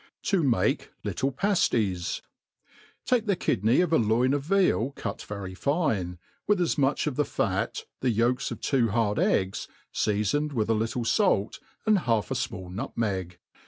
7s make litth Paftieu TAKE the kidney of a loin of veal cut very fine, with al much of the fat, the yolks of tWo hard eggs, feafoned with 1 little falt^ and half a fmall nutmeg.